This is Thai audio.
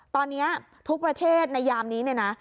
ตอนนี้ทุกประเทศในยามนี้เนี่ยนะ